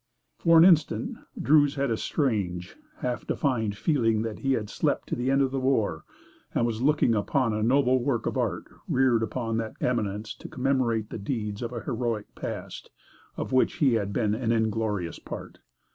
For an instant Druse had a strange, half defined feeling that he had slept to the end of the war and was looking upon a noble work of art reared upon that commanding eminence to commemorate the deeds of an heroic past of which he had been an inglorious part.